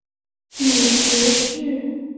母葛氏。